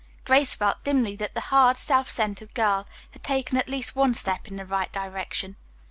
Grace felt dimly that the hard, self centered girl had taken at least one step in the right direction.